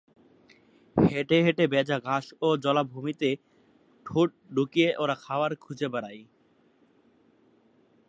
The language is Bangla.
হেঁটে হেঁটে ভেজা ঘাস ও জলাভূমিতে ঠোঁট ঢুকিয়ে এরা খাবার খুঁজে বেড়ায়।